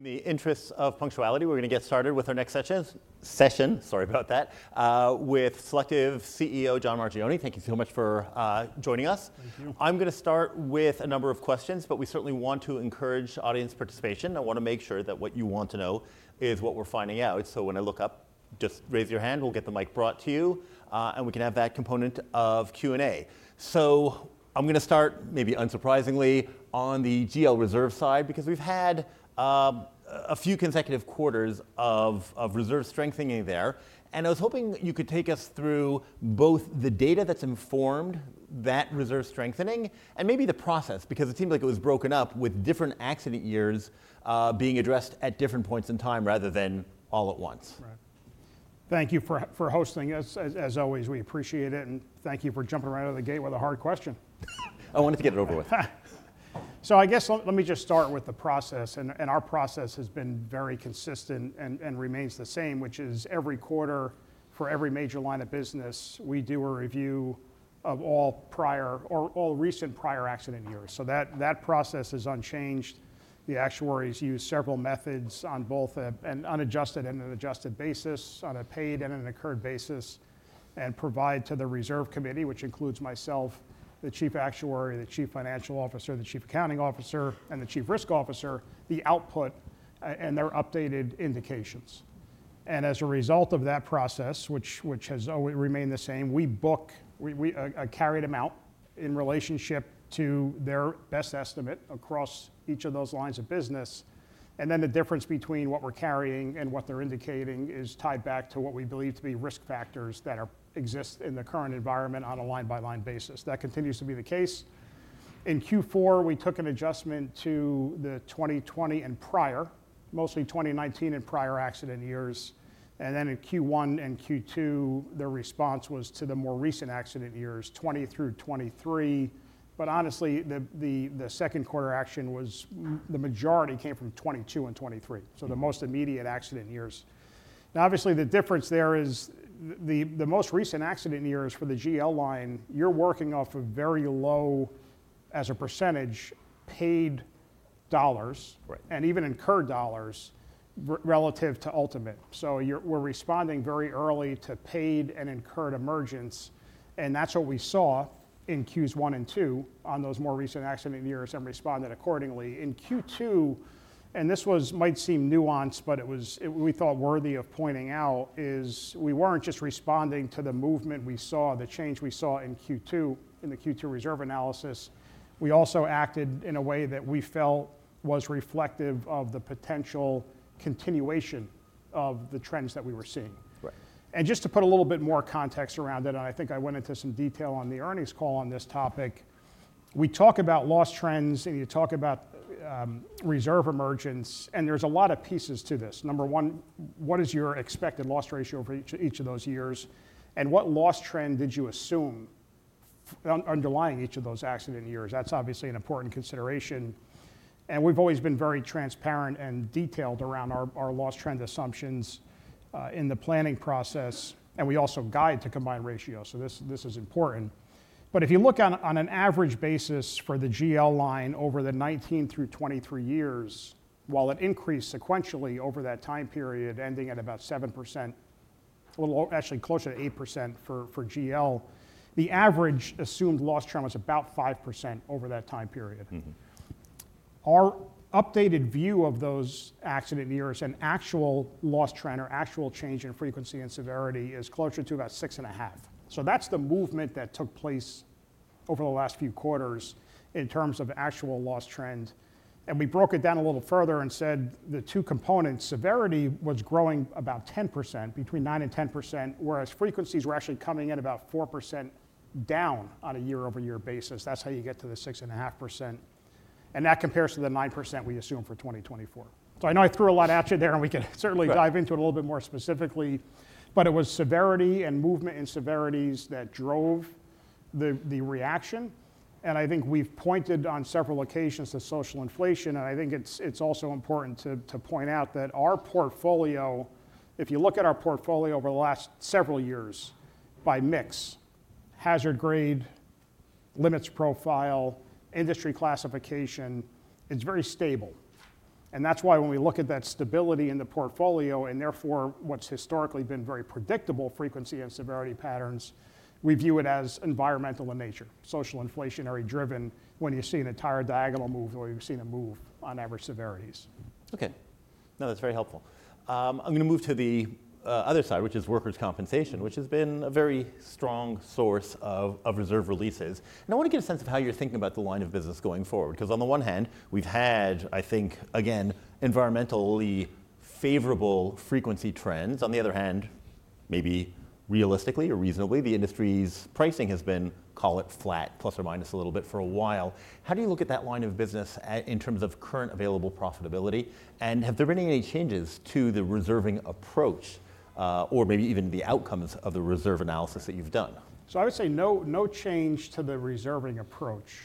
the interests of punctuality, we're gonna get started with our next session. Sorry about that, with Selective CEO, John Marchioni. Thank you so much for joining us. Thank you. I'm gonna start with a number of questions, but we certainly want to encourage audience participation. I wanna make sure that what you want to know is what we're finding out. So when I look up, just raise your hand, we'll get the mic brought to you, and we can have that component of Q&A. So I'm gonna start maybe unsurprisingly, on the GL reserve side, because we've had a few consecutive quarters of reserve strengthening there. And I was hoping you could take us through both the data that's informed that reserve strengthening and maybe the process, because it seemed like it was broken up with different accident years being addressed at different points in time rather than all at once. Right. Thank you for hosting us. As always, we appreciate it, and thank you for jumping right out of the gate with a hard question. I wanted to get it over with. So I guess let me just start with the process, and our process has been very consistent and remains the same, which is every quarter for every major line of business, we do a review of all prior or all recent prior accident years. That process is unchanged. The actuaries use several methods on both an unadjusted and an adjusted basis, on a paid and an incurred basis, and provide to the Reserve Committee, which includes myself, the Chief Actuary, the Chief Financial Officer, the Chief Accounting Officer, and the Chief Risk Officer, the output and their updated indications. As a result of that process, which has remained the same, we carry them out in relationship to their best estimate across each of those lines of business. And then the difference between what we're carrying and what they're indicating is tied back to what we believe to be risk factors that exist in the current environment on a line-by-line basis. That continues to be the case. In Q4, we took an adjustment to the 2020 and prior, mostly 2019 and prior accident years, and then in Q1 and Q2, their response was to the more recent accident years, 2020 through 2023. But honestly, the second quarter action was the majority came from 2022 and 2023. Mm-hmm. The most immediate accident years. Now, obviously, the difference there is the most recent accident years for the GL line, you're working off of very low, as a percentage, paid dollars- Right... and even incurred dollars relative to ultimate. So we're responding very early to paid and incurred emergence, and that's what we saw in Q1 and Q2 on those more recent accident years and responded accordingly. In Q2, and this was, might seem nuanced, but it was, we thought, worthy of pointing out, is we weren't just responding to the movement we saw, the change we saw in Q2, in the Q2 reserve analysis. We also acted in a way that we felt was reflective of the potential continuation of the trends that we were seeing. Right. And just to put a little bit more context around it, and I think I went into some detail on the earnings call on this topic. We talk about loss trends, and you talk about reserve emergence, and there's a lot of pieces to this. Number one, what is your expected loss ratio for each of those years? And what loss trend did you assume underlying each of those accident years? That's obviously an important consideration, and we've always been very transparent and detailed around our loss trend assumptions in the planning process, and we also guide to combined ratio. So this is important. But if you look on an average basis for the GL line over the 2019 through 2023 years, while it increased sequentially over that time period, ending at about 7%, a little actually closer to 8% for GL, the average assumed loss trend was about 5% over that time period. Mm-hmm. Our updated view of those accident years and actual loss trend or actual change in frequency and severity is closer to about 6.5. So that's the movement that took place over the last few quarters in terms of actual loss trend, and we broke it down a little further and said the two components, severity, was growing about 10%, between 9% and 10%, whereas frequencies were actually coming in about 4% down on a year-over-year basis. That's how you get to the 6.5%, and that compares to the 9% we assume for 2024. So I know I threw a lot at you there, and we can certainly- Right... dive into it a little bit more specifically. But it was severity and movement in severities that drove the reaction, and I think we've pointed on several occasions to social inflation, and I think it's also important to point out that our portfolio... If you look at our portfolio over the last several years by mix, hazard grade, limits profile, industry classification, it's very stable. And that's why when we look at that stability in the portfolio, and therefore what's historically been very predictable frequency and severity patterns, we view it as environmental in nature, social inflationary driven, when you see an entire diagonal move or you've seen a move on average severities. Okay. No, that's very helpful. I'm gonna move to the other side, which is workers' compensation, which has been a very strong source of reserve releases. And I want to get a sense of how you're thinking about the line of business going forward, 'cause on the one hand, we've had, I think, again, environmentally favorable frequency trends. On the other hand, maybe realistically or reasonably, the industry's pricing has been, call it, flat, plus or minus a little bit for a while. How do you look at that line of business in terms of current available profitability? And have there been any changes to the reserving approach, or maybe even the outcomes of the reserve analysis that you've done? So I would say no, no change to the reserving approach.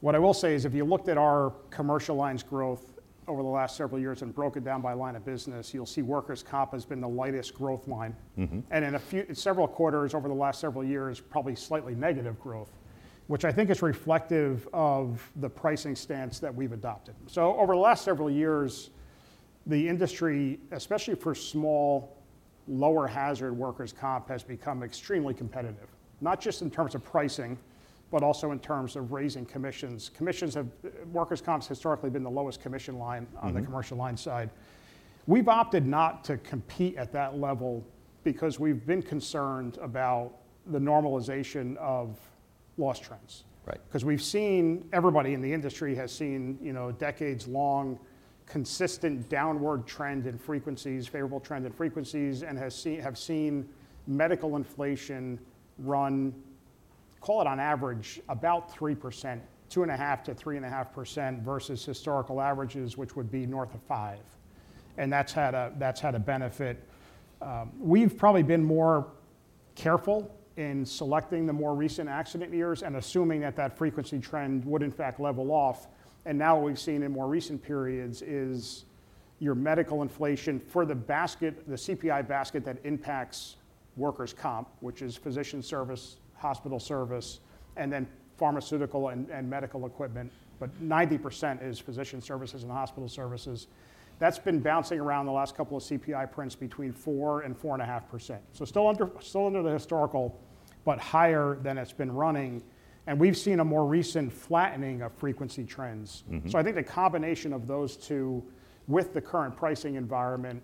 What I will say is, if you looked at our commercial lines growth over the last several years and broke it down by line of business, you'll see workers' comp has been the lightest growth line. Mm-hmm. In several quarters over the last several years, probably slightly negative growth, which I think is reflective of the pricing stance that we've adopted. So over the last several years, the industry, especially for small, lower hazard workers' comp, has become extremely competitive, not just in terms of pricing, but also in terms of raising commissions. Commissions have workers' comp's historically been the lowest commission line. Mm-hmm. On the commercial line side. We've opted not to compete at that level because we've been concerned about the normalization of loss trends. Right. 'Cause we've seen, everybody in the industry has seen, you know, decades-long, consistent downward trend in frequencies, favorable trend in frequencies, and have seen medical inflation run, call it on average, about 3%, 2.5%-3.5%, versus historical averages, which would be north of 5%. That's had a benefit. We've probably been more careful in selecting the more recent accident years and assuming that that frequency trend would in fact level off, and now what we've seen in more recent periods is your medical inflation for the basket, the CPI basket that impacts workers' comp, which is physician service, hospital service, and then pharmaceutical and medical equipment, but 90% is physician services and hospital services. That's been bouncing around the last couple of CPI prints between 4% and 4.5%. So still under the historical, but higher than it's been running, and we've seen a more recent flattening of frequency trends. Mm-hmm. I think the combination of those two, with the current pricing environment,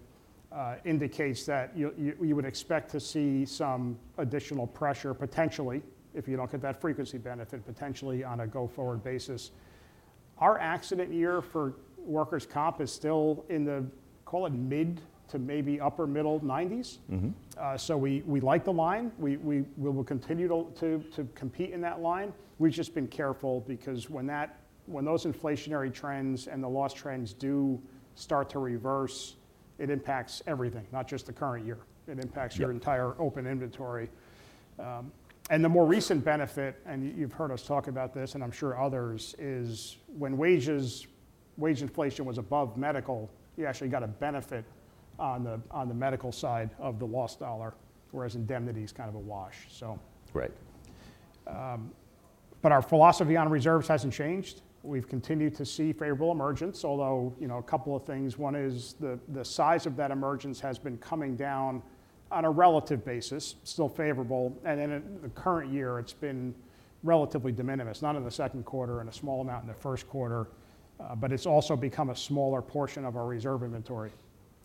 indicates that you would expect to see some additional pressure, potentially, if you don't get that frequency benefit, potentially on a go-forward basis. Our accident year for workers' comp is still in the, call it mid to maybe upper middle nineties. Mm-hmm. So we like the line. We will continue to compete in that line. We've just been careful because when those inflationary trends and the loss trends do start to reverse, it impacts everything, not just the current year. Yep. It impacts your entire open inventory, and the more recent benefit, and you, you've heard us talk about this, and I'm sure others, is when wage inflation was above medical, you actually got a benefit on the medical side of the loss dollar, whereas indemnity is kind of a wash, so. Right. But our philosophy on reserves hasn't changed. We've continued to see favorable emergence, although, you know, a couple of things. One is the size of that emergence has been coming down on a relative basis, still favorable, and then in the current year, it's been relatively de minimis, not in the second quarter and a small amount in the first quarter, but it's also become a smaller portion of our reserve inventory.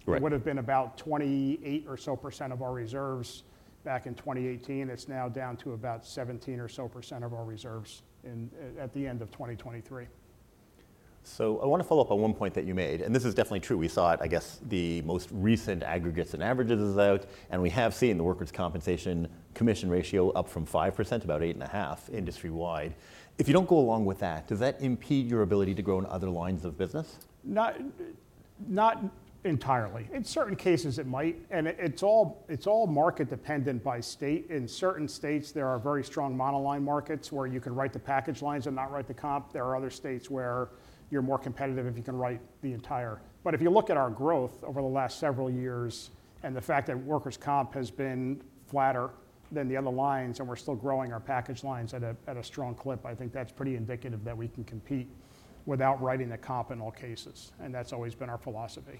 Right. It would've been about 28% or so of our reserves back in 2018. It's now down to about 17% or so of our reserves in at the end of 2023. So I want to follow up on one point that you made, and this is definitely true. We saw it, I guess, the most recent aggregates and averages is out, and we have seen the workers' compensation commission ratio up from 5% to about 8.5% industry-wide. If you don't go along with that, does that impede your ability to grow in other lines of business? Not entirely. In certain cases, it might. It's all market-dependent by state. In certain states, there are very strong monoline markets where you can write the package lines and not write the comp. There are other states where you're more competitive if you can write the entire. But if you look at our growth over the last several years, and the fact that workers' comp has been flatter than the other lines, and we're still growing our package lines at a strong clip, I think that's pretty indicative that we can compete without writing the comp in all cases, and that's always been our philosophy.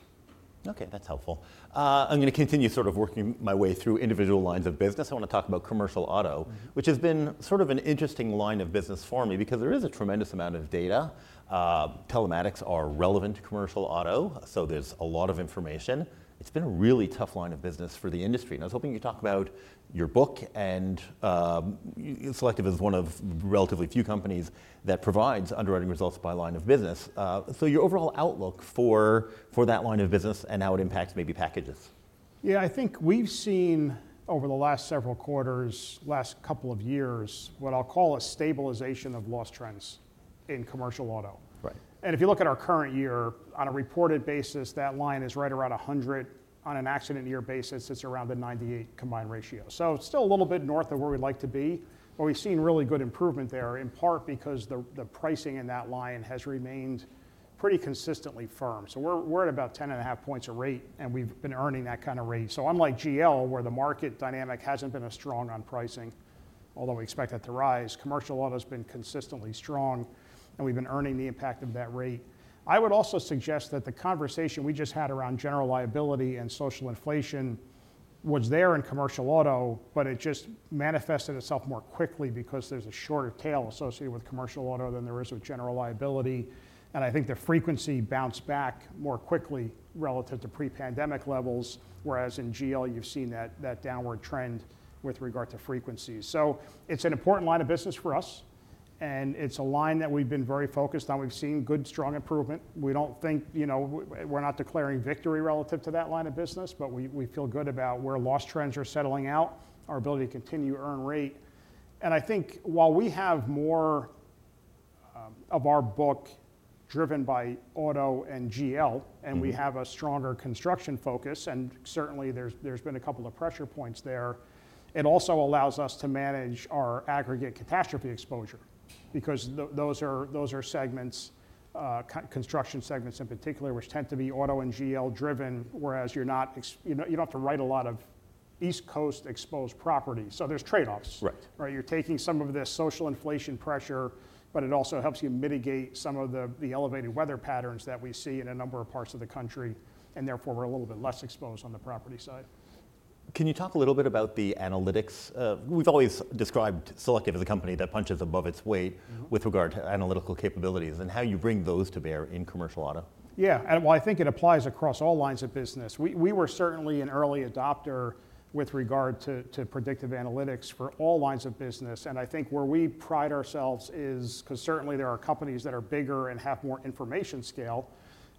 Okay, that's helpful. I'm gonna continue sort of working my way through individual lines of business. I want to talk about commercial auto- Mm... which has been sort of an interesting line of business for me because there is a tremendous amount of data. Telematics are relevant to commercial auto, so there's a lot of information. It's been a really tough line of business for the industry, and I was hoping you'd talk about your book and Selective is one of relatively few companies that provides underwriting results by line of business. So your overall outlook for that line of business and how it impacts maybe packages. Yeah, I think we've seen over the last several quarters, last couple of years, what I'll call a stabilization of loss trends in commercial auto. Right. If you look at our current year, on a reported basis, that line is right around 100. On an accident year basis, it's around the 98 combined ratio. Still a little bit north of where we'd like to be, but we've seen really good improvement there, in part because the pricing in that line has remained pretty consistently firm. We're at about 10.5 points a rate, and we've been earning that kind of rate. Unlike GL, where the market dynamic hasn't been as strong on pricing, although we expect that to rise, commercial auto's been consistently strong, and we've been earning the impact of that rate. I would also suggest that the conversation we just had around general liability and social inflation was there in commercial auto, but it just manifested itself more quickly because there's a shorter tail associated with commercial auto than there is with general liability. And I think the frequency bounced back more quickly relative to pre-pandemic levels, whereas in GL, you've seen that, that downward trend with regard to frequencies. So it's an important line of business for us, and it's a line that we've been very focused on. We've seen good, strong improvement. We don't think, you know, we're not declaring victory relative to that line of business, but we feel good about where loss trends are settling out, our ability to continue to earn rate. And I think while we have more, of our book driven by auto and GL- Mm-hmm... and we have a stronger construction focus, and certainly, there's been a couple of pressure points there. It also allows us to manage our aggregate catastrophe exposure. Because those are segments, construction segments in particular, which tend to be auto and GL driven, whereas you're not, you know, you don't have to write a lot of East Coast exposed property. So there's trade-offs. Right. Right, you're taking some of this social inflation pressure, but it also helps you mitigate some of the elevated weather patterns that we see in a number of parts of the country, and therefore, we're a little bit less exposed on the property side. Can you talk a little bit about the analytics? We've always described Selective as a company that punches above its weight- Mm-hmm. With regard to analytical capabilities and how you bring those to bear in commercial auto. Yeah, and well, I think it applies across all lines of business. We were certainly an early adopter with regard to predictive analytics for all lines of business, and I think where we pride ourselves is 'cause certainly there are companies that are bigger and have more information scale,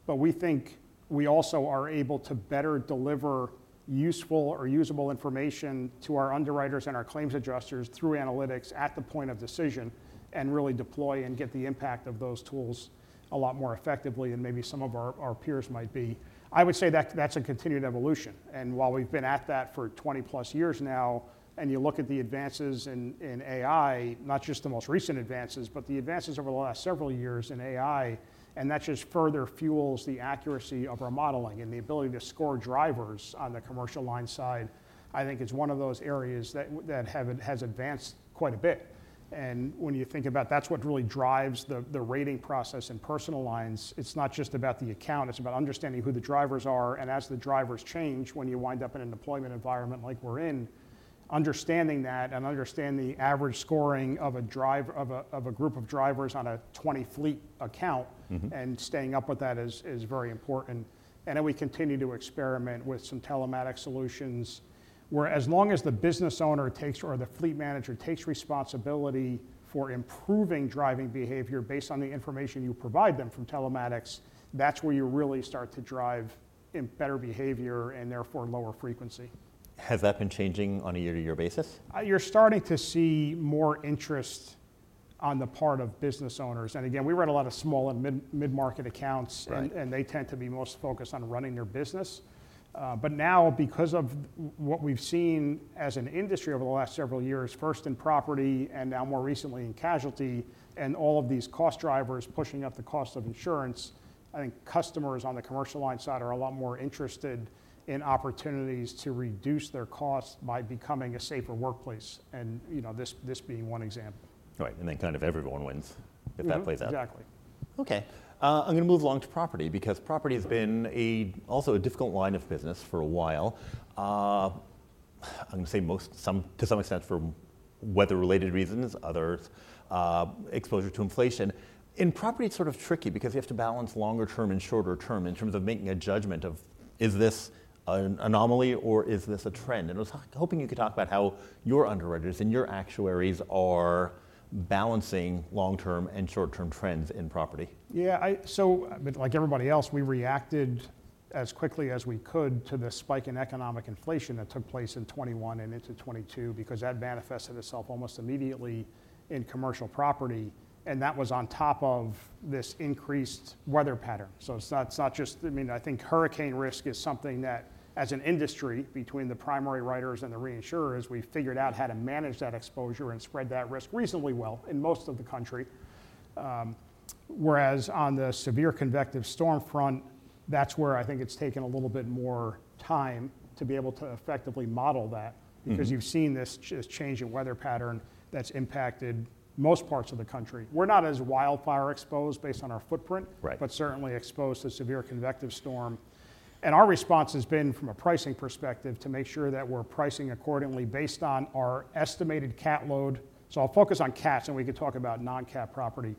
but we think we also are able to better deliver useful or usable information to our underwriters and our claims adjusters through analytics at the point of decision, and really deploy and get the impact of those tools a lot more effectively than maybe some of our peers might be. I would say that's a continued evolution, and while we've been at that for 20+ years now, and you look at the advances in AI, not just the most recent advances, but the advances over the last several years in AI, and that just further fuels the accuracy of our modeling, and the ability to score drivers on the commercial line side, I think is one of those areas that has advanced quite a bit, and when you think about it, that's what really drives the rating process in personal lines. It's not just about the account, it's about understanding who the drivers are, and as the drivers change, when you wind up in an employment environment like we're in, understanding that and understanding the average scoring of a driver, of a group of drivers on a 20-fleet account- Mm-hmm... and staying up with that is very important. And then we continue to experiment with some telematics solutions, where, as long as the business owner takes or the fleet manager takes responsibility for improving driving behavior based on the information you provide them from telematics, that's where you really start to drive better behavior, and therefore, lower frequency. Has that been changing on a year-to-year basis? You're starting to see more interest on the part of business owners, and again, we wrote a lot of small and mid-market accounts- Right... and they tend to be most focused on running their business. But now, because of what we've seen as an industry over the last several years, first in property, and now more recently in casualty, and all of these cost drivers pushing up the cost of insurance, I think customers on the commercial line side are a lot more interested in opportunities to reduce their costs by becoming a safer workplace, and, you know, this being one example. Right, and then kind of everyone wins- Mm-hmm... if that plays out. Exactly. Okay, I'm going to move along to property, because property- Mm has been a, also a difficult line of business for a while. I'm going to say most, some, to some extent, for weather-related reasons, others, exposure to inflation. In property, it's sort of tricky because you have to balance longer term and shorter term in terms of making a judgment of, is this an anomaly, or is this a trend? And I was hoping you could talk about how your underwriters and your actuaries are balancing long-term and short-term trends in property. Yeah, so, but like everybody else, we reacted as quickly as we could to the spike in economic inflation that took place in 2021 and into 2022, because that manifested itself almost immediately in commercial property, and that was on top of this increased weather pattern. So it's not, it's not just... I mean, I think hurricane risk is something that, as an industry, between the primary writers and the reinsurers, we figured out how to manage that exposure and spread that risk reasonably well in most of the country. Whereas on the severe convective storm front, that's where I think it's taken a little bit more time to be able to effectively model that. Mm-hmm. Because you've seen this change in weather pattern that's impacted most parts of the country. We're not as wildfire exposed based on our footprint. Right... but certainly exposed to severe convective storm. And our response has been, from a pricing perspective, to make sure that we're pricing accordingly, based on our estimated CAT load. So I'll focus on CATs, and we can talk about non-CAT property.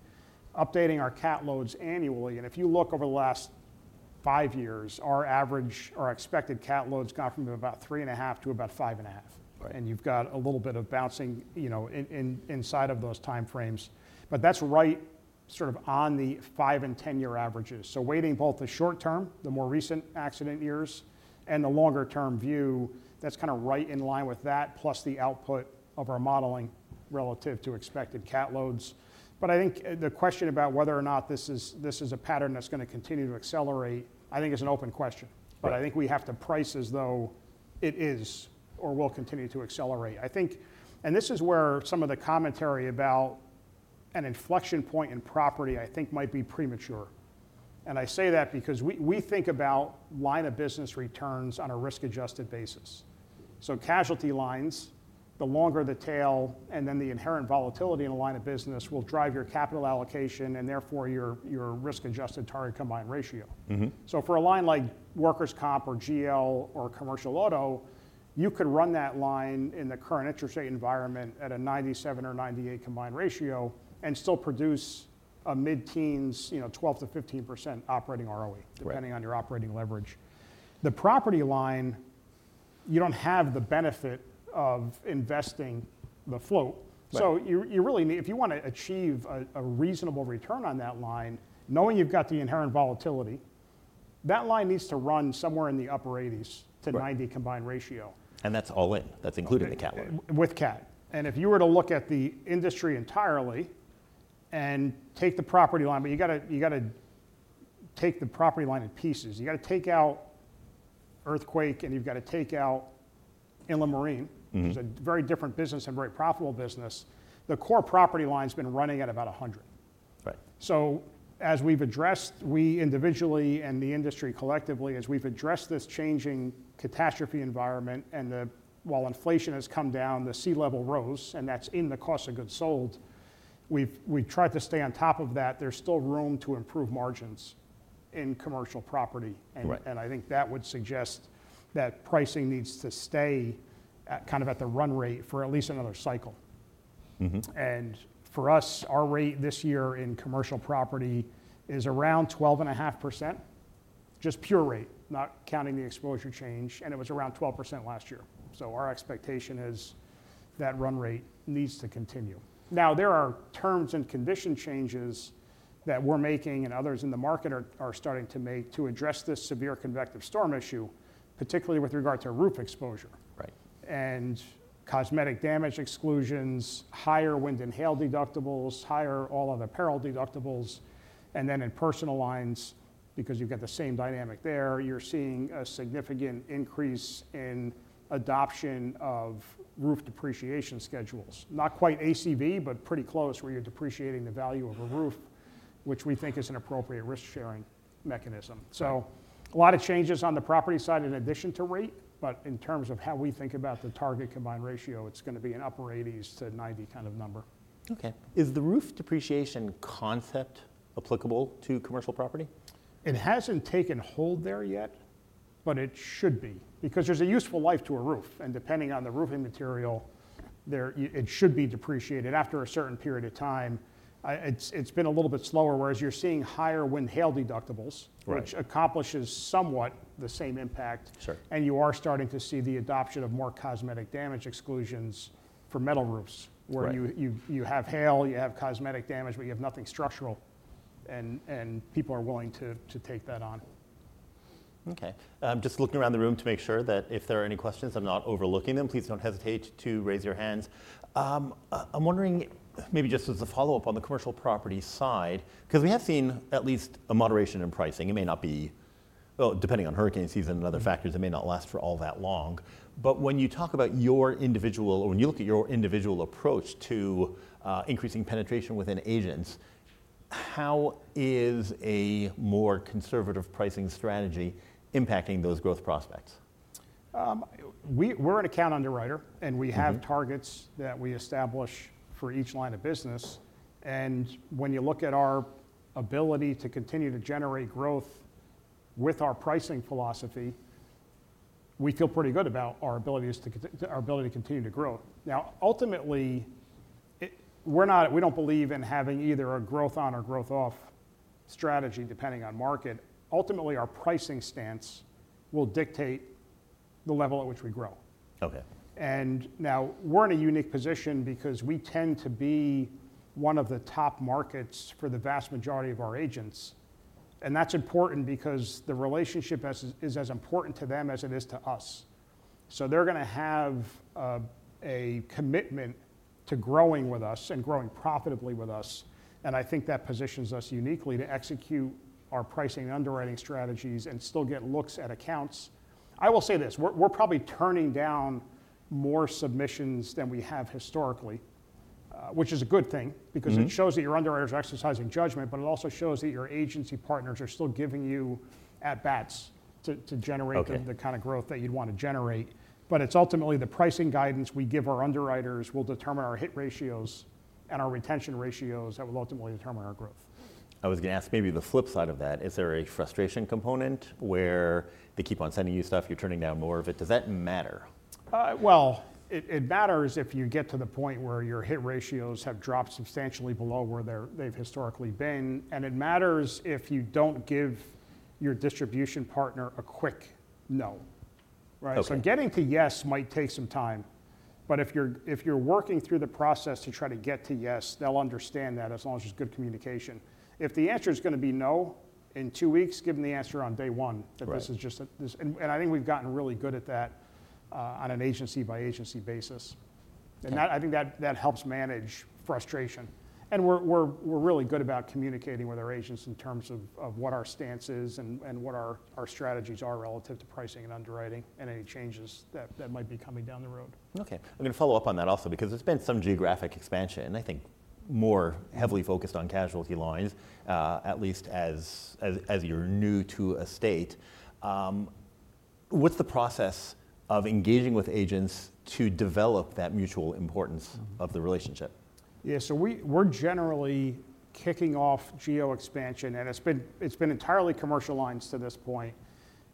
Updating our CAT loads annually, and if you look over the last five years, our average or expected CAT loads gone from about three and a half to about five and a half. Right. You've got a little bit of bouncing, you know, in inside of those time frames. But that's right sort of on the five- and ten-year averages. So weighting both the short term, the more recent accident years, and the longer-term view, that's kind of right in line with that, plus the output of our modeling relative to expected CAT loads. But I think the question about whether or not this is a pattern that's going to continue to accelerate, I think is an open question. Right. But I think we have to price as though it is, or will continue to accelerate. I think... And this is where some of the commentary about an inflection point in property, I think, might be premature. And I say that because we, we think about line of business returns on a risk-adjusted basis. So casualty lines, the longer the tail, and then the inherent volatility in a line of business will drive your capital allocation, and therefore, your, your risk-adjusted target combined ratio. Mm-hmm. So for a line like workers' comp or GL or commercial auto, you could run that line in the current interest rate environment at a 97 or 98 combined ratio and still produce a mid-teens, you know, 12%-15% operating ROE- Right... depending on your operating leverage. The property line, you don't have the benefit of investing the float. Right. So you really need—if you wanna achieve a reasonable return on that line, knowing you've got the inherent volatility, that line needs to run somewhere in the upper eighties- Right... to 90 combined ratio. And that's all in, that's including the CAT load? With CAT. And if you were to look at the industry entirely and take the property line... but you gotta, you gotta take the property line in pieces. You gotta take out earthquake, and you've gotta take out inland marine. Mm-hmm. Which is a very different business and very profitable business. The core property line's been running at about a hundred. So as we've addressed, we individually and the industry collectively, as we've addressed this changing catastrophe environment, and while inflation has come down, the sea level rose, and that's in the cost of goods sold. We've tried to stay on top of that. There's still room to improve margins in commercial property. Right. I think that would suggest that pricing needs to stay at, kind of, at the run rate for at least another cycle. Mm-hmm. And for us, our rate this year in commercial property is around 12.5%, just pure rate, not counting the exposure change, and it was around 12% last year. Our expectation is that run rate needs to continue. Now, there are terms and conditions changes that we're making, and others in the market are starting to make, to address this severe convective storm issue, particularly with regard to roof exposure. Right. Cosmetic damage exclusions, higher wind and hail deductibles, higher all other peril deductibles, and then in personal lines, because you've got the same dynamic there, you're seeing a significant increase in adoption of roof depreciation schedules. Not quite ACV, but pretty close, where you're depreciating the value of a roof, which we think is an appropriate risk-sharing mechanism. Right. So a lot of changes on the property side in addition to rate, but in terms of how we think about the target combined ratio, it's gonna be an upper eighties to ninety kind of number. Okay. Is the roof depreciation concept applicable to commercial property? It hasn't taken hold there yet, but it should be, because there's a useful life to a roof, and depending on the roofing material, there it should be depreciated after a certain period of time. It's been a little bit slower, whereas you're seeing higher wind-hail deductibles- Right... which accomplishes somewhat the same impact. Sure. You are starting to see the adoption of more cosmetic damage exclusions for metal roofs. Right... where you have hail, you have cosmetic damage, but you have nothing structural, and people are willing to take that on. Okay. I'm just looking around the room to make sure that if there are any questions, I'm not overlooking them. Please don't hesitate to raise your hands. I'm wondering, maybe just as a follow-up on the commercial property side, 'cause we have seen at least a moderation in pricing. It may not be... Well, depending on hurricane season and other factor it may not last for all that long. But when you talk about your individual, or when you look at your individual approach to, increasing penetration within agents, how is a more conservative pricing strategy impacting those growth prospects? We're an account underwriter, and we have- Mm-hmm... targets that we establish for each line of business. When you look at our ability to continue to generate growth with our pricing philosophy, we feel pretty good about our ability to continue to grow. Now, ultimately, it. We're not. We don't believe in having either a growth on or growth off strategy, depending on market. Ultimately, our pricing stance will dictate the level at which we grow. Okay. And now, we're in a unique position because we tend to be one of the top markets for the vast majority of our agents, and that's important because the relationship is as important to them as it is to us. So they're gonna have a commitment to growing with us and growing profitably with us, and I think that positions us uniquely to execute our pricing and underwriting strategies and still get looks at accounts. I will say this, we're probably turning down more submissions than we have historically, which is a good thing- Mm-hmm... because it shows that your underwriters are exercising judgment, but it also shows that your agency partners are still giving you at bats to generate- Okay... the kind of growth that you'd want to generate. But it's ultimately the pricing guidance we give our underwriters will determine our hit ratios and our retention ratios that will ultimately determine our growth. I was gonna ask, maybe the flip side of that, is there a frustration component where they keep on sending you stuff, you're turning down more of it? Does that matter? Well, it matters if you get to the point where your hit ratios have dropped substantially below where they've historically been, and it matters if you don't give your distribution partner a quick no, right? Okay. Getting to yes might take some time, but if you're working through the process to try to get to yes, they'll understand that as long as there's good communication. If the answer is gonna be no in two weeks, give them the answer on day one- Right... that this is just a this. And I think we've gotten really good at that on an agency-by-agency basis. Okay. And that, I think, helps manage frustration. And we're really good about communicating with our agents in terms of what our stance is and what our strategies are relative to pricing and underwriting and any changes that might be coming down the road. Okay. I'm gonna follow up on that also because there's been some geographic expansion, and I think more heavily focused on casualty lines, at least as you're new to a state. What's the process of engaging with agents to develop that mutual importance of the relationship? Yeah, so we're generally kicking off geo expansion, and it's been entirely commercial lines to this point,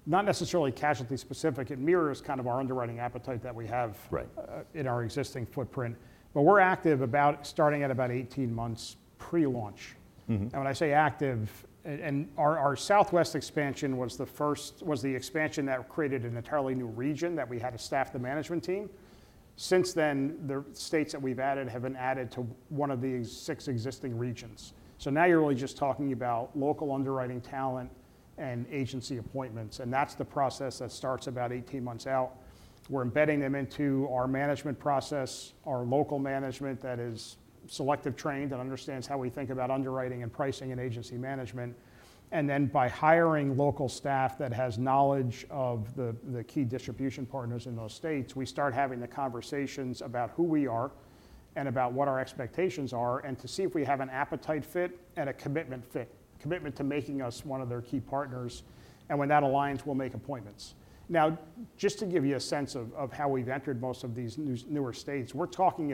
not necessarily casualty specific. It mirrors kind of our underwriting appetite that we have- Right... in our existing footprint. But we're active about starting at about 18 months pre-launch. Mm-hmm. And when I say active, and our Southwest expansion was the first expansion that created an entirely new region that we had to staff the management team. Since then, the states that we've added have been added to one of these six existing regions. So now you're really just talking about local underwriting talent and agency appointments, and that's the process that starts about 18 months out. We're embedding them into our management process, our local management that is Selective trained and understands how we think about underwriting and pricing and agency management. And then by hiring local staff that has knowledge of the key distribution partners in those states, we start having the conversations about who we are... and about what our expectations are, and to see if we have an appetite fit and a commitment fit, commitment to making us one of their key partners. And when that aligns, we'll make appointments. Now, just to give you a sense of how we've entered most of these newer states, we're talking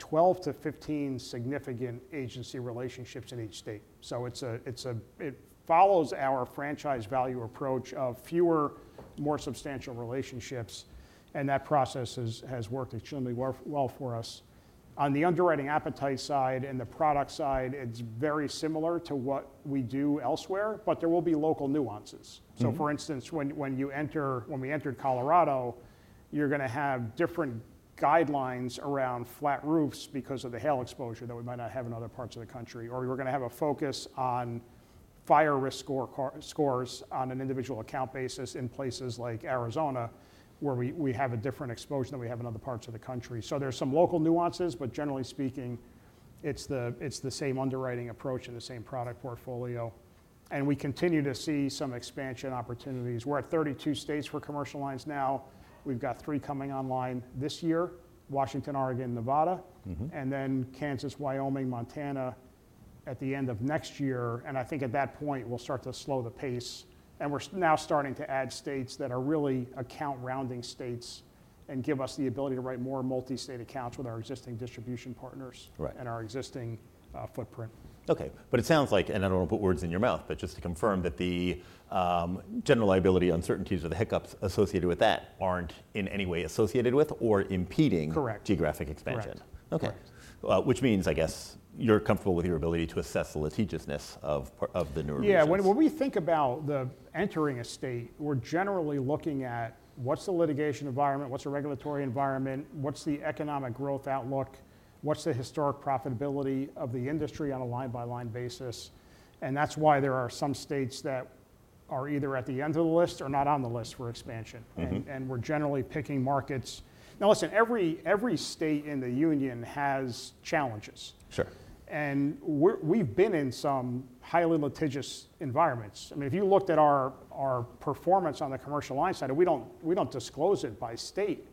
about 12 to 15 significant agency relationships in each state. So it follows our franchise value approach of fewer, more substantial relationships, and that process has worked extremely well for us. On the underwriting appetite side and the product side, it's very similar to what we do elsewhere, but there will be local nuances. Mm-hmm. So for instance, when we entered Colorado, you're gonna have different guidelines around flat roofs because of the hail exposure that we might not have in other parts of the country. Or we're gonna have a focus on fire risk score, CAR scores on an individual account basis in places like Arizona, where we have a different exposure than we have in other parts of the country. So there are some local nuances, but generally speaking, it's the same underwriting approach and the same product portfolio, and we continue to see some expansion opportunities. We're at 32 states for commercial lines now. We've got three coming online this year, Washington, Oregon, Nevada. Mm-hmm. Then Kansas, Wyoming, Montana at the end of next year, and I think at that point, we'll start to slow the pace. We're now starting to add states that are really account rounding states and give us the ability to write more multi-state accounts with our existing distribution partners- Right. -and our existing footprint. Okay, but it sounds like, and I don't want to put words in your mouth, but just to confirm that the general liability uncertainties or the hiccups associated with that aren't in any way associated with or impeding- Correct. -geographic expansion? Correct. Okay. Correct. Which means, I guess, you're comfortable with your ability to assess the litigiousness of part of the newer regions? Yeah, when we think about the entering a state, we're generally looking at what's the litigation environment, what's the regulatory environment, what's the economic growth outlook, what's the historic profitability of the industry on a line-by-line basis. That's why there are some states that are either at the end of the list or not on the list for expansion. Mm-hmm. We're generally picking markets. Now listen, every state in the union has challenges. Sure. We've been in some highly litigious environments. I mean, if you looked at our performance on the commercial line side, and we don't disclose it by state,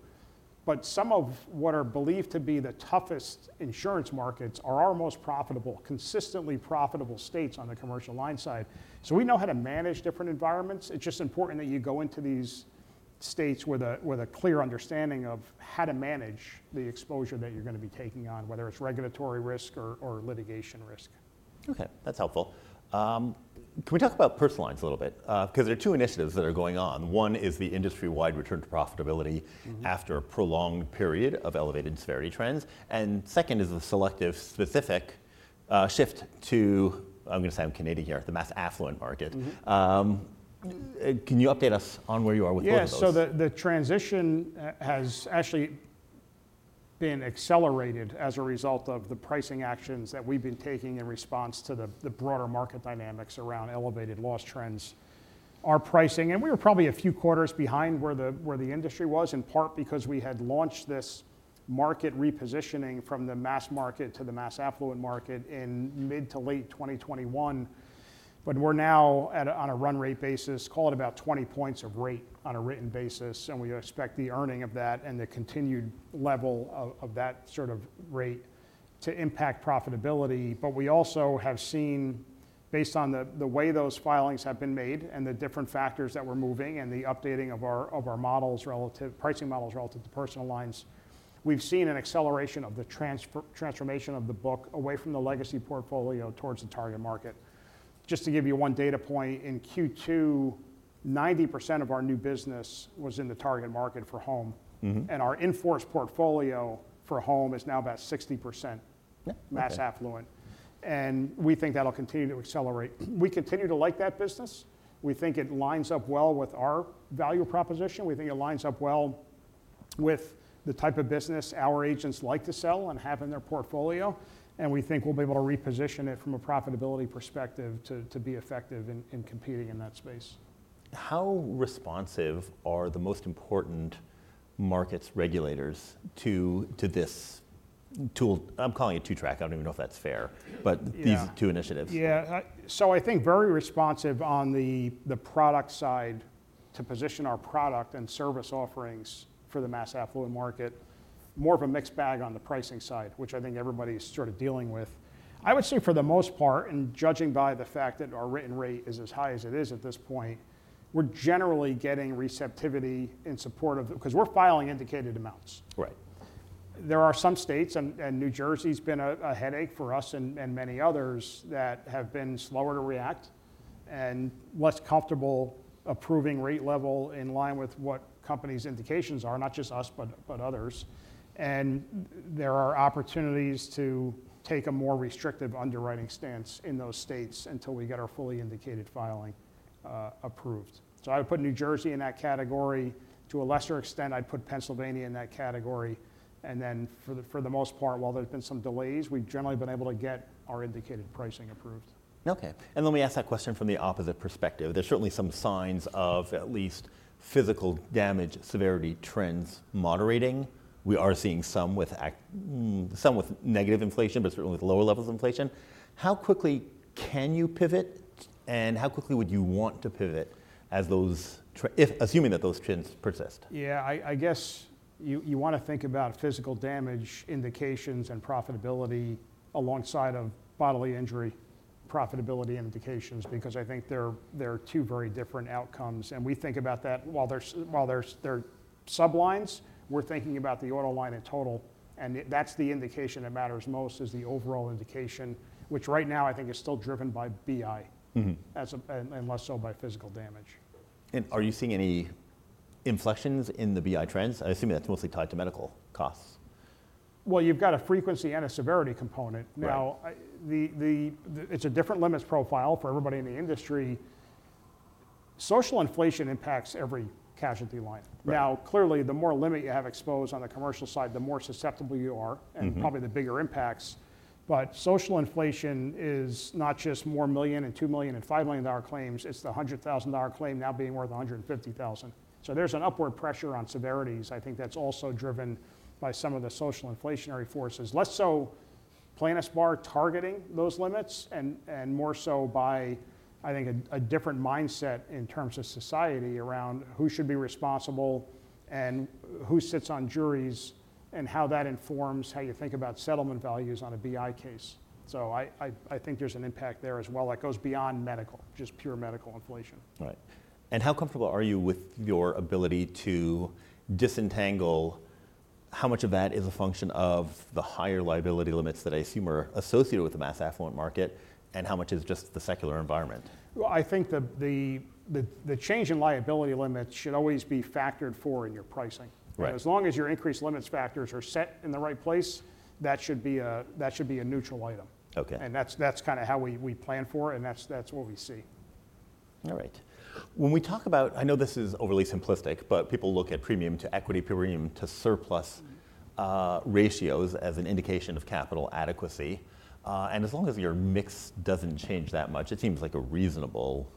but some of what are believed to be the toughest insurance markets are our most profitable, consistently profitable states on the commercial line side. We know how to manage different environments. It's just important that you go into these states with a clear understanding of how to manage the exposure that you're gonna be taking on, whether it's regulatory risk or litigation risk. Okay, that's helpful. Can we talk about personal lines a little bit? Because there are two initiatives that are going on. One is the industry-wide return to profitability- Mm-hmm. -after a prolonged period of elevated severity trends. And second is the Selective, specific, shift to, I'm gonna say I'm Canadian here, the mass affluent market. Mm-hmm. Can you update us on where you are with both of those? Yeah, so the transition has actually been accelerated as a result of the pricing actions that we've been taking in response to the broader market dynamics around elevated loss trends. Our pricing and we were probably a few quarters behind where the industry was, in part because we had launched this market repositioning from the mass market to the mass affluent market in mid to late 2021. But we're now on a run rate basis, call it about 20 points of rate on a written basis, and we expect the earning of that and the continued level of that sort of rate to impact profitability. But we also have seen, based on the way those filings have been made and the different factors that we're moving and the updating of our models relative pricing models relative to personal lines, we've seen an acceleration of the transformation of the book away from the legacy portfolio towards the target market. Just to give you one data point, in Q2, 90% of our new business was in the target market for home. Mm-hmm. Our in-force portfolio for home is now about 60%- Yeah. Okay... mass affluent, and we think that'll continue to accelerate. We continue to like that business. We think it lines up well with our value proposition. We think it lines up well with the type of business our agents like to sell and have in their portfolio, and we think we'll be able to reposition it from a profitability perspective to, to be effective in, in competing in that space. How responsive are the most important markets' regulators to this tool? I'm calling it two-track. I don't even know if that's fair, but- Yeah... these two initiatives. Yeah, so I think very responsive on the product side to position our product and service offerings for the mass affluent market. More of a mixed bag on the pricing side, which I think everybody's sort of dealing with. I would say, for the most part, and judging by the fact that our written rate is as high as it is at this point, we're generally getting receptivity in support of it, because we're filing indicated amounts. Right. There are some states, and New Jersey's been a headache for us and many others, that have been slower to react and less comfortable approving rate level in line with what companies' indications are, not just us, but others. And there are opportunities to take a more restrictive underwriting stance in those states until we get our fully indicated filing approved. So I would put New Jersey in that category. To a lesser extent, I'd put Pennsylvania in that category, and then for the most part, while there's been some delays, we've generally been able to get our indicated pricing approved. Okay, and let me ask that question from the opposite perspective. There's certainly some signs of at least physical damage, severity trends moderating. We are seeing some with negative inflation, but certainly with lower levels of inflation. How quickly can you pivot? And how quickly would you want to pivot as those trends if, assuming that those trends persist? Yeah, I guess you want to think about physical damage indications and profitability alongside of bodily injury profitability indications, because I think they're two very different outcomes, and we think about that while there are sub-lines, we're thinking about the auto line in total, and that's the indication that matters most, is the overall indication, which right now I think is still driven by BI. Mm-hmm and less so by physical damage. Are you seeing any inflections in the BI trends? I assume that's mostly tied to medical costs. You've got a frequency and a severity component. Right. Now, it's a different limits profile for everybody in the industry. Social inflation impacts every casualty line. Now, clearly, the more limit you have exposed on the commercial side, the more susceptible you are- Mm-hmm And probably the bigger impacts. But social inflation is not just more $1 million and $2 million and $5 million claims, it's the $100,000 claim now being worth $150,000. So there's an upward pressure on severities. I think that's also driven by some of the social inflationary forces. Less so plaintiff's bar targeting those limits, and more so by, I think a different mindset in terms of society around who should be responsible and who sits on juries, and how that informs how you think about settlement values on a BI case. So I think there's an impact there as well that goes beyond medical, just pure medical inflation. Right, and how comfortable are you with your ability to disentangle how much of that is a function of the higher liability limits that I assume are associated with the mass affluent market, and how much is just the secular environment? I think the change in liability limits should always be factored for in your pricing. Right. As long as your increased limits factors are set in the right place, that should be a neutral item. Okay. That's kind of how we plan for it, and that's what we see. All right. When we talk about... I know this is overly simplistic, but people look at premium to equity, premium to surplus, ratios as an indication of capital adequacy, and as long as your mix doesn't change that much, it seems like a reasonable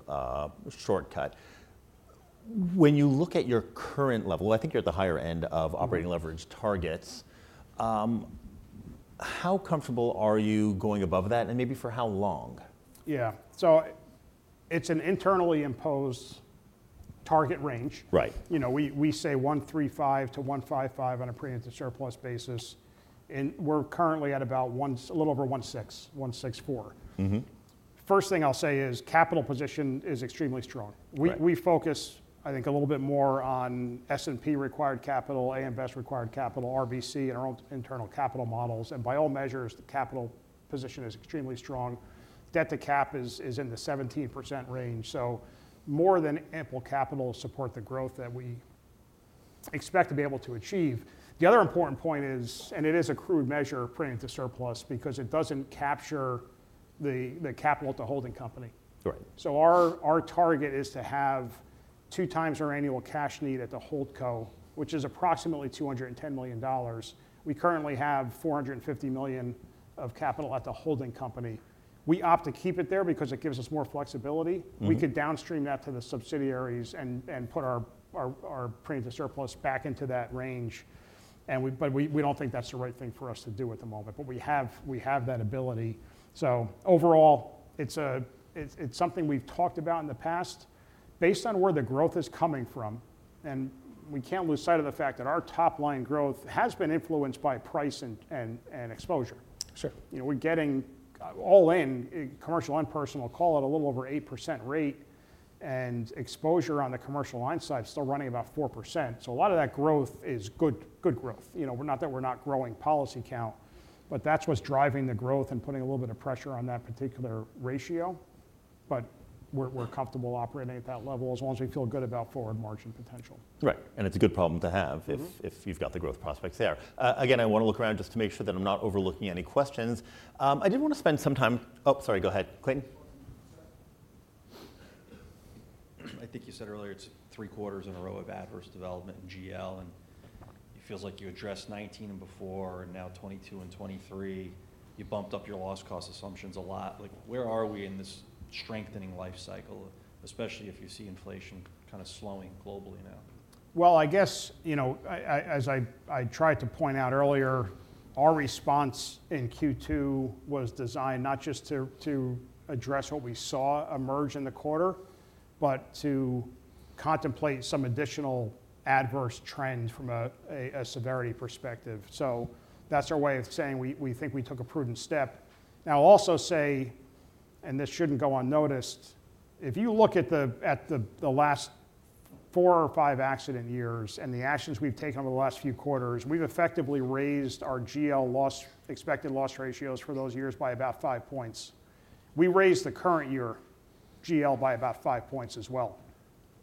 shortcut. When you look at your current level, I think you're at the higher end of operating leverage targets, how comfortable are you going above that, and maybe for how long? Yeah, so it's an internally imposed target range. Right. You know, we say 135 to 155 on a premium to surplus basis, and we're currently at about a little over 164. Mm-hmm. First thing I'll say is, capital position is extremely strong. Right. We focus, I think, a little bit more on S&P required capital, AM Best required capital, RBC, and our own internal capital models, and by all measures, the capital position is extremely strong. Debt-to-capital is in the 17% range, so more than ample capital to support the growth that we expect to be able to achieve. The other important point is, and it is a crude measure, premium to surplus, because it doesn't capture the capital to holding company. Right. So our target is to have two times our annual cash need at the holdco, which is approximately $210 million. We currently have $450 million of capital at the holding company. We opt to keep it there because it gives us more flexibility. Mm-hmm. We could downstream that to the subsidiaries and put our pretax surplus back into that range, but we don't think that's the right thing for us to do at the moment, but we have that ability, so overall, it's something we've talked about in the past, based on where the growth is coming from, and we can't lose sight of the fact that our top-line growth has been influenced by price and exposure. Sure. You know, we're getting all in, commercial and personal, call it a little over 8% rate, and exposure on the commercial line side is still running about 4%. So a lot of that growth is good, good growth. You know, we're not growing policy count, but that's what's driving the growth and putting a little bit of pressure on that particular ratio. But we're comfortable operating at that level as long as we feel good about forward margin potential. Right. And it's a good problem to have- Mm-hmm If you've got the growth prospects there. Again, I want to look around just to make sure that I'm not overlooking any questions. I did want to spend some time. Oh, sorry, go ahead, Clayton. I think you said earlier, it's three quarters in a row of adverse development in GL, and it feels like you addressed 2019 before, and now 2022 and 2023, you bumped up your loss cost assumptions a lot. Like, where are we in this strengthening life cycle, especially if you see inflation kind of slowing globally now? I guess, you know, as I tried to point out earlier, our response in Q2 was designed not just to address what we saw emerge in the quarter, but to contemplate some additional adverse trends from a severity perspective. So that's our way of saying we think we took a prudent step. Now, I'll also say, and this shouldn't go unnoticed, if you look at the last four or five accident years and the actions we've taken over the last few quarters, we've effectively raised our GL's expected loss ratios for those years by about five points. We raised the current year GL by about five points as well.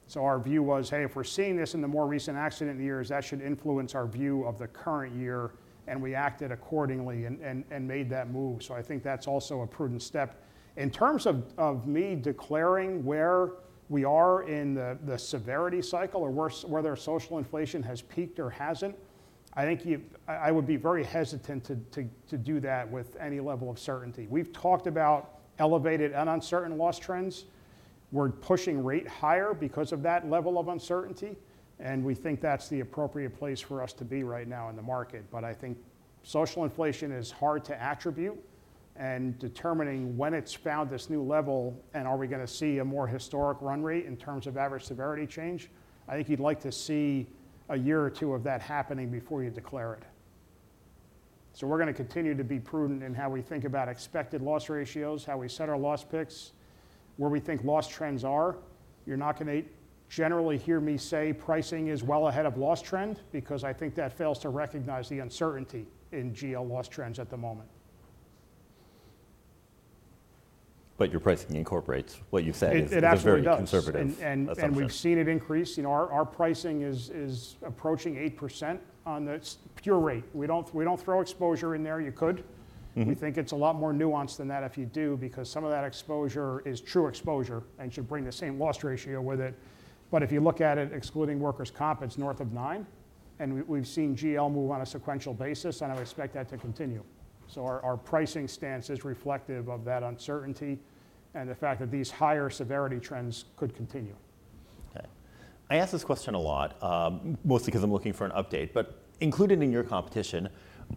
So our view was, "Hey, if we're seeing this in the more recent accident years, that should influence our view of the current year," and we acted accordingly and made that move. So I think that's also a prudent step. In terms of me declaring where we are in the severity cycle or whether social inflation has peaked or hasn't, I would be very hesitant to do that with any level of certainty. We've talked about elevated and uncertain loss trends... we're pushing rate higher because of that level of uncertainty, and we think that's the appropriate place for us to be right now in the market. But I think social inflation is hard to attribute, and determining when it's found this new level, and are we gonna see a more historic run rate in terms of average severity change? I think you'd like to see a year or two of that happening before you declare it, so we're gonna continue to be prudent in how we think about expected loss ratios, how we set our loss picks, where we think loss trends are. You're not gonna generally hear me say pricing is well ahead of loss trend, because I think that fails to recognize the uncertainty in GL loss trends at the moment. But your pricing incorporates what you've said- It actually does. is a very conservative assumption. And we've seen it increase. You know, our pricing is approaching 8% on the pure rate. We don't throw exposure in there. You could. Mm-hmm. We think it's a lot more nuanced than that if you do, because some of that exposure is true exposure and should bring the same loss ratio with it. But if you look at it excluding workers' comp, it's north of nine, and we, we've seen GL move on a sequential basis, and I expect that to continue. So our, our pricing stance is reflective of that uncertainty and the fact that these higher severity trends could continue. Okay. I ask this question a lot, mostly 'cause I'm looking for an update, but included in your competition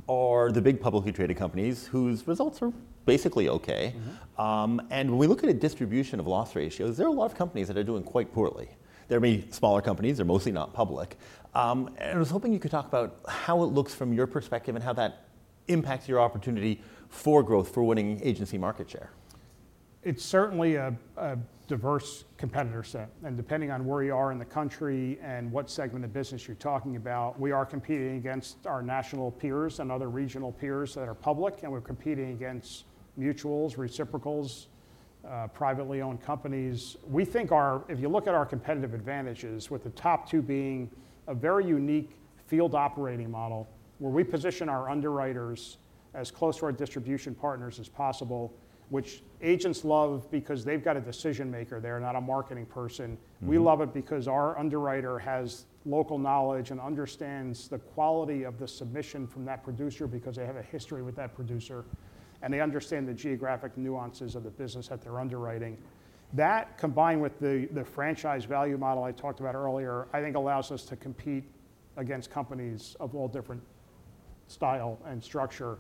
are the big publicly traded companies whose results are basically okay. Mm-hmm. When we look at a distribution of loss ratios, there are a lot of companies that are doing quite poorly. There are many smaller companies, they're mostly not public. I was hoping you could talk about how it looks from your perspective and how that impacts your opportunity for growth, for winning agency market share. It's certainly a diverse competitor set, and depending on where you are in the country and what segment of business you're talking about, we are competing against our national peers and other regional peers that are public, and we're competing against mutuals, reciprocals, privately owned companies. We think our. If you look at our competitive advantages, with the top two being a very unique field operating model, where we position our underwriters as close to our distribution partners as possible, which agents love because they've got a decision-maker there, not a marketing person. Mm-hmm. We love it because our underwriter has local knowledge and understands the quality of the submission from that producer because they have a history with that producer, and they understand the geographic nuances of the business that they're underwriting. That, combined with the franchise value model I talked about earlier, I think allows us to compete against companies of all different style and structure.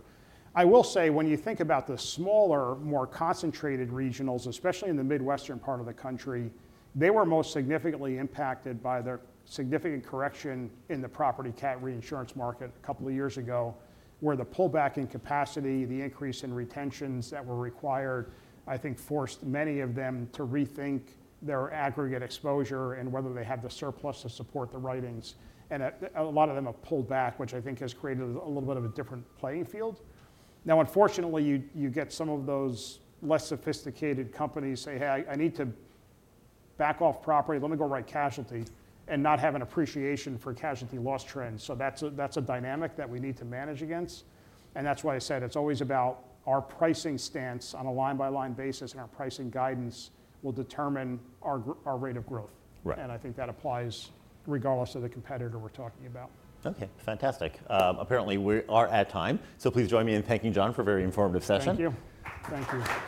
I will say, when you think about the smaller, more concentrated regionals, especially in the Midwestern part of the country, they were most significantly impacted by the significant correction in the property cat reinsurance market a couple of years ago, where the pullback in capacity, the increase in retentions that were required, I think forced many of them to rethink their aggregate exposure and whether they had the surplus to support the writings. A lot of them have pulled back, which I think has created a little bit of a different playing field. Now, unfortunately, you get some of those less sophisticated companies say, "Hey, I need to back off property. Let me go write casualty," and not have an appreciation for casualty loss trends. So that's a dynamic that we need to manage against, and that's why I said it's always about our pricing stance on a line-by-line basis, and our pricing guidance will determine our rate of growth. Right. I think that applies regardless of the competitor we're talking about. Okay, fantastic. Apparently, we are at time, so please join me in thanking John for a very informative session. Thank you. Thank you.